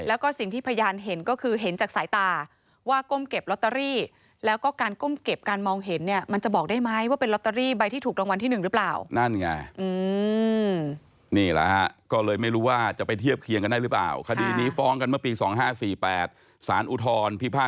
แล้วก็สิ่งที่พยานเห็นก็คือเห็นจากสายตาว่าก้มเก็บลอตเตอรี่แล้วก็การก้มเก็บการมองเห็นมันจะบอกได้ไหมว่าเป็นลอตเตอรี่ใบที่ถูกรางวัลที่หนึ่งหรือเปล่า